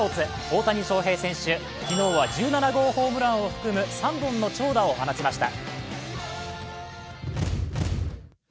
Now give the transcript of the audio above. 大谷翔平選手、昨日は１７号ホームランを含む３本の長打を放ちました。